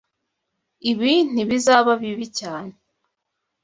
Ibi ntibizaba bibi cyane.